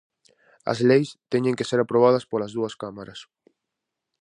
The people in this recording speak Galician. As leis teñen que ser aprobadas polas dúas cámaras.